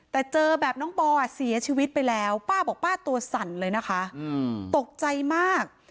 แต่เจอแบบน้องปอเสียชีวิตไปแล้วป้าบอกป้าตัวสั่นเลยนะคะตกใจมาก